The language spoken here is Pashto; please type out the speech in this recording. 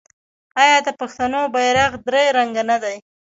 آیا د پښتنو بیرغ درې رنګه نه دی؟